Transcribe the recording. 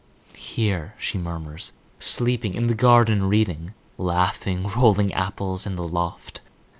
"Here," she murmurs, "sleeping; in the garden reading; laughing, rolling apples in the loft.